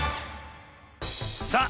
さあ